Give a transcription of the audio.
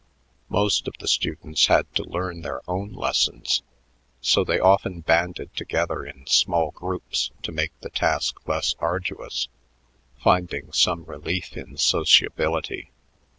Most of the students had to learn their own lessons; so they often banded together in small groups to make the task less arduous, finding some relief in sociability.